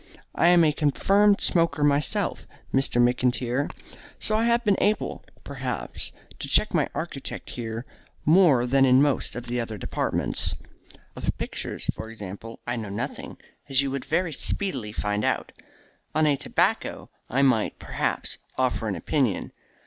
I am a confirmed smoker myself, Mr. McIntyre, so I have been able, perhaps, to check my architect here more than in most of the other departments. Of pictures, for example, I know nothing, as you would very speedily find out. On a tobacco, I might, perhaps, offer an opinion.